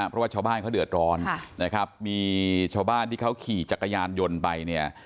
เพราะว่าชาวบ้านเขาเดือดร้อนนะครับมีชาวบ้านที่เขาขี่จักรยานยนต์ไปเนี่ย